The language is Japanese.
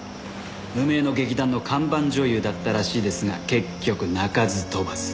無名の劇団の看板女優だったらしいですが結局鳴かず飛ばず。